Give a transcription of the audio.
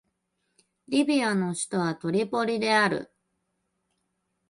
リビアの首都はトリポリである